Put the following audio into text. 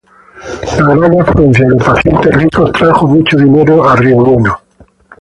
La gran afluencia de pacientes ricos trajo mucho dinero a Río Bueno.